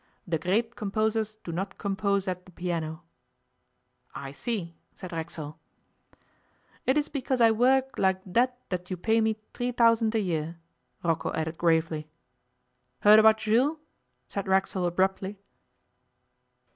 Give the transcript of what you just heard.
De great composers do not compose at de piano.' 'I see,' said Racksole. 'It is because I work like dat dat you pay me three thousand a year,' Rocco added gravely. 'Heard about Jules?' said Racksole abruptly.